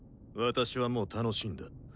私はもう楽しんだ。